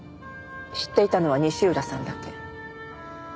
知っていたのは西浦さんだけ。